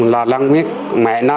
lo lắng biết mẹ nó